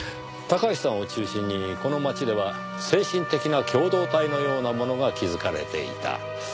タカハシさんを中心にこの町では精神的な共同体のようなものが築かれていた。